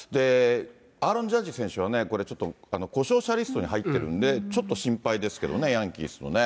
アーロン・ジャッジ選手はこれ、ちょっと故障者リストに入ってるんで、ちょっと心配ですけどね、ヤンキースのね。